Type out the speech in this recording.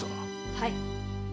はい。